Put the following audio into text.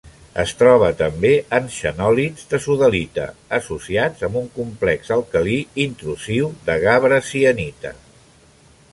Es troba també en xenòlits de sodalita associats amb un complex alcalí intrusiu de gabre-sienita.